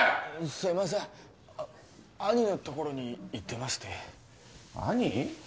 すいません兄のところに行ってまして兄？